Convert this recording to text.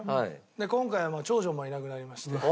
で今回は長女もいなくなりまして。